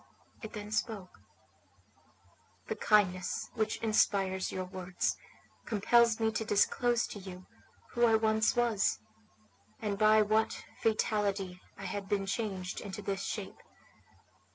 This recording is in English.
It then spoke: "The kindness which inspires your words compels me to disclose to you who I once was, and by what fatality I have been changed into this shape.